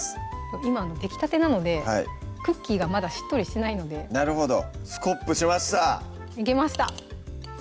今できたてなのでクッキーがまだしっとりしてないのでスコップしましたいけました